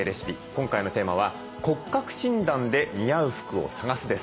今回のテーマは「骨格診断で似合う服を探す」です。